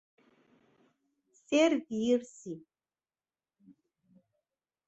servir-se